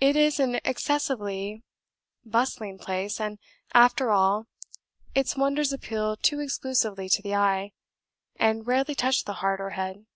It is an excessively bustling place; and, after all, its wonders appeal too exclusively to the eye, and rarely touch the heart or head.